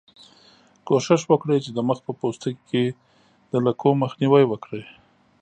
کوښښ وکړئ چې د مخ په پوستکي کې د لکو مخنیوی وکړئ.